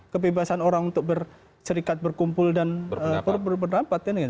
kebebasan orang untuk bercerikat berkumpul dan berberdampak